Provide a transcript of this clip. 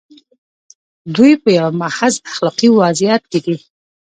دوی په یوه محض اخلاقي وضعیت کې دي.